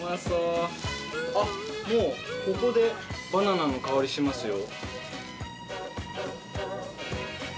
もう、ここでバナナの香りしますよ。